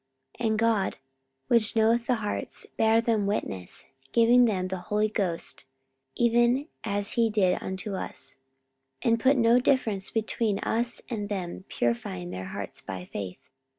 44:015:008 And God, which knoweth the hearts, bare them witness, giving them the Holy Ghost, even as he did unto us; 44:015:009 And put no difference between us and them, purifying their hearts by faith.